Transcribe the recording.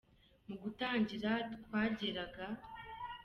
Mu gutangira twageraga.